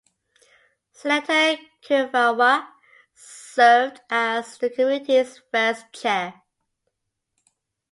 Senator Kefauver served as the committee's first chair.